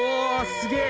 すげえ。